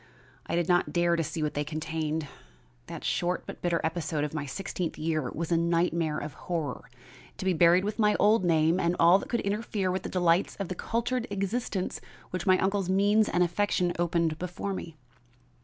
I did not dare to see what they contained. That short but bitter episode of my sixteenth year was a nightmare of horror, to be buried with my old name and all that could interfere with the delights of the cultured existence which my uncle's means and affection opened before me.